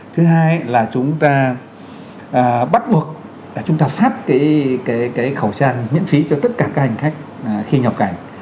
thứ hai là chúng ta bắt buộc là chúng ta phát khẩu trang miễn phí cho tất cả các hành khách khi nhập cảnh